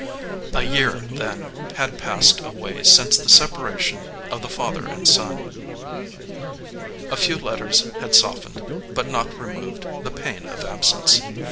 A year, then, had passed away since the separation of the father and son; a few letters had softened, but not removed, the pain of absence.